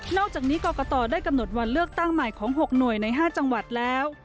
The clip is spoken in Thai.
อกจากนี้กรกตได้กำหนดวันเลือกตั้งใหม่ของ๖หน่วยใน๕จังหวัดแล้ว